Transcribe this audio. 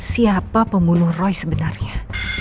siapa pembunuh roy sebenarnya